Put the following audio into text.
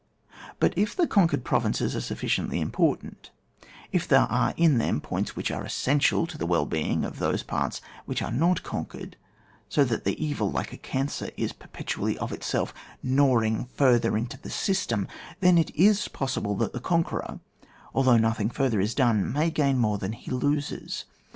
But if the conquered provinces are sufficiently important, if there are in them points which are essential to the well being of those parts which are not con quered, so that the evil, like a cancer, is perpetually of itself gnawing further into the system, then it is possible that the conqueror, although nothing further is done, may gain more than he loses.